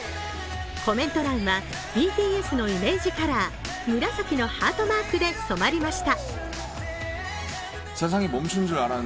コメント欄はＢＴＳのイメージカラー、紫のハートマークで染まりました。